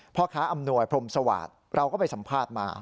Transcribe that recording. พ่อค้าอำนวยพรมสวาสตร์เราก็ไปสัมภาษณ์มา